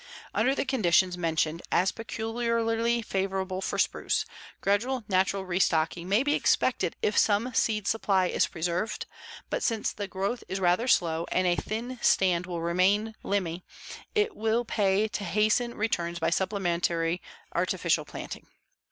Under the conditions mentioned as peculiarly favorable for spruce, gradual natural restocking may be expected if some seed supply is preserved, but since the growth is rather slow and a thin stand will remain limby, it may pay to hasten returns by supplementary artificial planting.